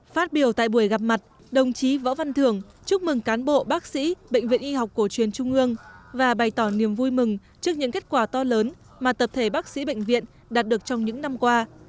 phát biểu tại buổi gặp mặt đồng chí võ văn thường chúc mừng cán bộ bác sĩ bệnh viện y học cổ truyền trung ương và bày tỏ niềm vui mừng trước những kết quả to lớn mà tập thể bác sĩ bệnh viện đạt được trong những năm qua